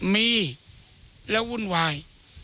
มีแล้ววุ่นวาย